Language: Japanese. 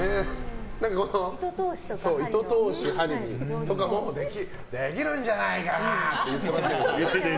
針に糸通しとかもできるんじゃないかなって言ってました。